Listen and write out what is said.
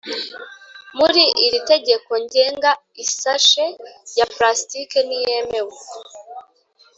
Muri iri Tegeko Ngenga isashe ya pulasitiki ntiyemewe